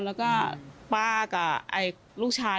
แล้วก็ป้ากับลูกชาย